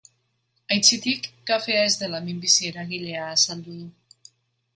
Aitzitik, kafea ez dela minbizi-eragilea azaldu du.